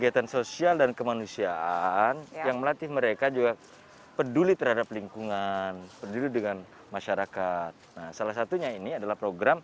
terus ya alhamdulillah sih